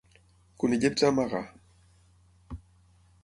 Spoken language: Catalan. Conillets a amagar!